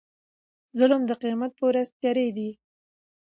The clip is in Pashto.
ظلم د قيامت په ورځ تيارې دي